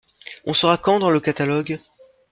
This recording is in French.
On sera quand dans le catalogue?